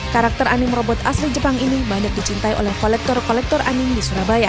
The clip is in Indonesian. karakter anim robot asli jepang ini banyak dicintai oleh kolektor kolektor anim di surabaya